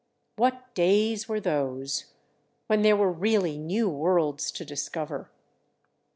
What days were those, when there were really new worlds to discover!